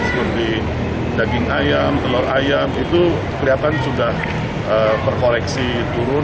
seperti daging ayam telur ayam itu kelihatan sudah terkoreksi turun